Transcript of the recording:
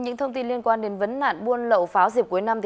những thông tin liên quan đến vấn nạn buôn lậu pháo dịp cuối năm